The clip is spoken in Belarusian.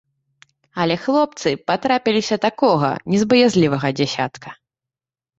Але хлопцы патрапіліся такога не з баязлівага дзясятка.